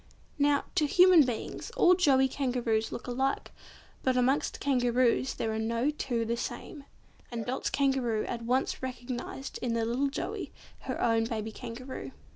Now, to human beings, all joey Kangaroos look alike, but amongst Kangaroos there are no two the same, and Dot's Kangaroo at once recognised in the little Joey her own baby Kangaroo.